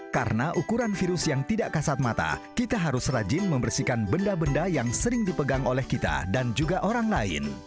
karena ukuran virus yang tidak kasat mata kita harus rajin membersihkan benda benda yang sering dipegang oleh kita dan juga orang lain